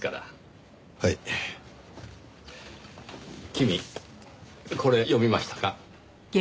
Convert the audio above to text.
君これ読みましたか？